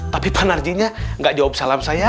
tapi pak narjinya gak jawab salam saya